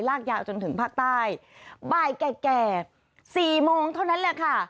ลากยาวจนถึงภาคใต้บ่ายแก่๔โมงเท่านั้นแหละค่ะ